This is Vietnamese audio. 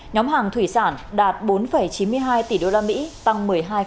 nhóm hàng thủy sản đạt bốn chín mươi hai tỷ usd tăng một mươi hai